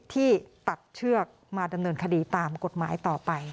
ที่ตัดเชือกมาดำเนินคดีตามกฎหมายต่อไป